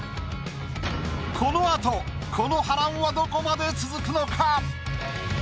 この後この波乱はどこまで続くのか？